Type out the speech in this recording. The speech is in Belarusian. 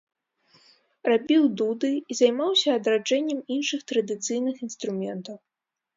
Рабіў дуды і займаўся адраджэннем іншых традыцыйных інструментаў.